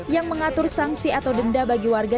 yang mengatur sanksi atau denda bagi warga